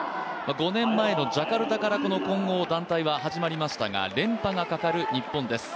５年前のジャカルタからこの混合団体は始まりましたが連覇がかかる日本です。